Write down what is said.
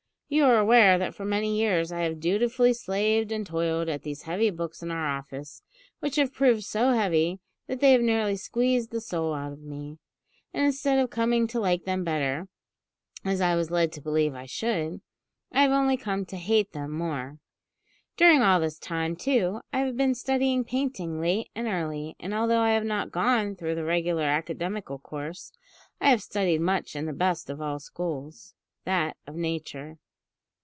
You are aware that for many years I have dutifully slaved and toiled at these heavy books in our office which have proved so heavy that they have nearly squeezed the soul out of me and instead of coming to like them better (as I was led to believe I should), I have only come to hate them more. During all this time, too, I have been studying painting late and early, and although I have not gone through the regular academical course, I have studied much in the best of all schools, that of Nature.